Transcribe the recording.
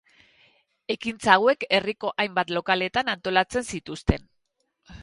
Ekintza hauek herriko hainbat lokaletan antolatzen zituzten.